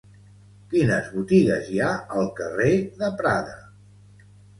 Quines botigues hi ha al carrer de Prada?